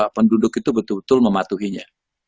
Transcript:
penduduk itu betul betul mematuhinya